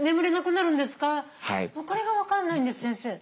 これが分かんないんです先生。